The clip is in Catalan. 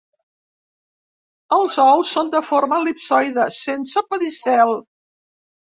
Els ous són de forma el·lipsoide, sense pedicel.